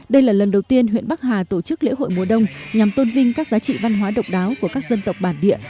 đây là lần đầu tiên huyện bắc hà tổ chức lễ hội mùa đông nhằm tôn vinh các giá trị văn hóa độc đáo của các dân tộc bản địa